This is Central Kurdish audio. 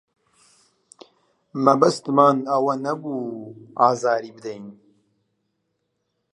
مەبەستمان ئەوە نەبوو ئازاری بدەین.